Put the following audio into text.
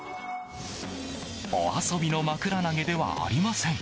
お遊びのまくら投げではありません。